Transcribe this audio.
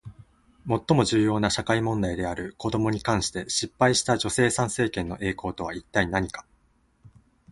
最も重要な社会問題である子どもに関して失敗した女性参政権の栄光とは一体何か？